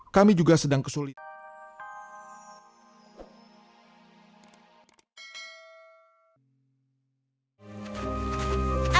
kami juga sedang kesulitan